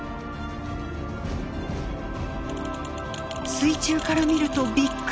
水中から見るとびっくり。